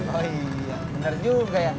oh iya benar juga ya